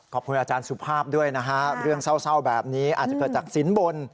ขอบคุณอาจารย์สุภาพด้วยนะฮะเรื่องเศร้าแบบนี้อาจจะเกิดจากสินบน